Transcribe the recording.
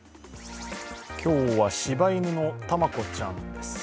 今日はしば犬のたまこちゃんです。